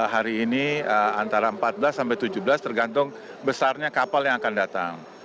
hari ini antara empat belas sampai tujuh belas tergantung besarnya kapal yang akan datang